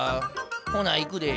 ほないくで。